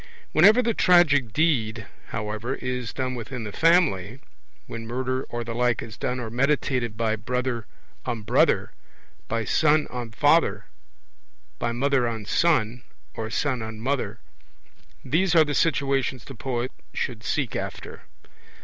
Whenever the tragic deed, however, is done within the family when murder or the like is done or meditated by brother on brother, by son on father, by mother on son, or son on mother these are the situations the poet should seek after.